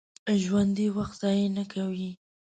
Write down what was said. ژوندي وخت ضایع نه کوي